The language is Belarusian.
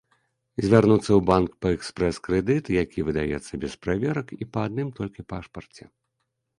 Звярнуцца ў банк па экспрэс-крэдыт, які выдаецца без праверак і па адным толькі пашпарце.